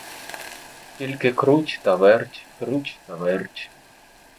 Тільки — круть та верть, круть та верть!